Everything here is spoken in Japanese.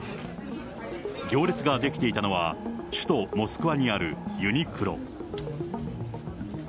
行列が出来ていたのは、首都モスクワにあるユニクロ。